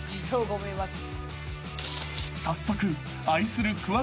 ［早速］